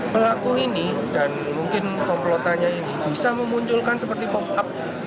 pelaku ini dan mungkin komplotannya ini bisa memunculkan seperti pop up